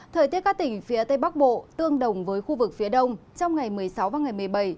thời tiết các tỉnh phía tây bắc bộ tương đồng với khu vực phía đông trong ngày một mươi sáu và ngày một mươi bảy